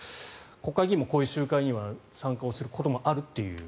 国会議員もこういう集会には参加をすることがあるという。